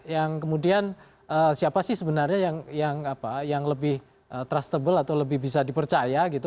yang kemudian siapa sih sebenarnya yang lebih trustable atau lebih bisa dipercaya gitu